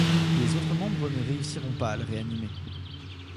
Les autres membres ne réussiront pas à le réanimer.